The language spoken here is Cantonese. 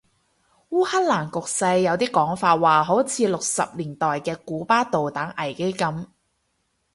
烏克蘭局勢有啲講法話好似六十年代嘅古巴導彈危機噉